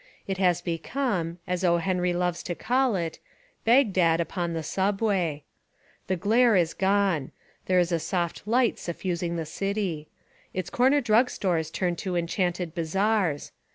It has become, as O. Henry loves to call it, Bagdad 246 The Amazing Genius of O. Henry upon the Subway, The glare has gone. There is a soft light suffusing the city. Its corner drug stores turn to enchanted bazaars.